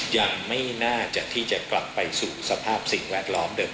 ยังไม่น่าจะที่จะกลับไปสู่สภาพสิ่งแวดล้อมเดิม